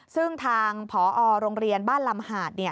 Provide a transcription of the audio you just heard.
ซึ่งทางผอโรงเรียนบ้านลำหาด